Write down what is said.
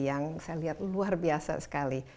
yang saya lihat luar biasa sekali